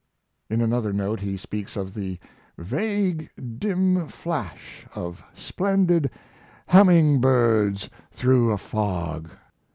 In another note he speaks of the "vague dim flash of splendid hamming birds through a fog."